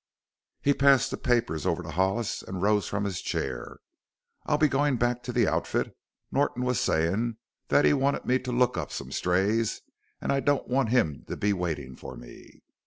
He passed the papers over to Hollis and rose from his chair. "I'll be goin' back to the outfit; Norton was sayin' that he wanted me to look up some strays an' I don't want him to be waitin' for me.